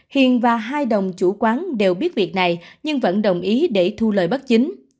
hiền và hai đồng chủ quán đều biết việc này nhưng vẫn đồng ý để thu lời bất chính